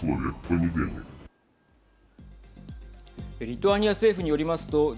リトアニア政府によりますとＤＤｏＳ